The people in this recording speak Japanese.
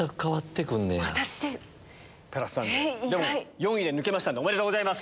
４位で抜けましたんでおめでとうございます。